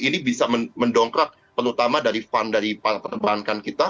ini bisa mendongkrak terutama dari fund dari para perbankan kita